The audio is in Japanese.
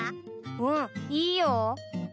うんいいよ。